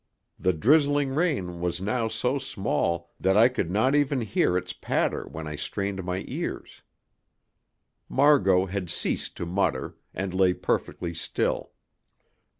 The drizzling rain was now so small that I could not even hear its patter when I strained my ears. Margot had ceased to mutter, and lay perfectly still.